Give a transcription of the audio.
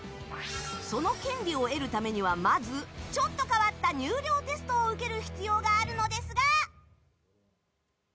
その権利を得るためには、まずちょっと変わった入寮テストを受ける必要があるのですが。